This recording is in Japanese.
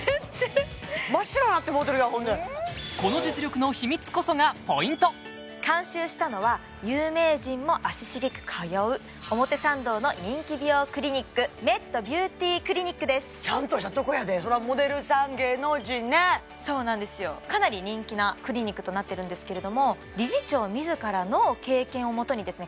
真っ白になってもうてるやんほんでこの実力の秘密こそがポイント監修したのは有名人も足しげく通う表参道の人気美容クリニックちゃんとしたとこやでそりゃモデルさん芸能人ねそうなんですよかなり人気なクリニックとなってるんですけれども理事長自らの経験をもとにですね